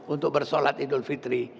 untuk bersholat idul fitri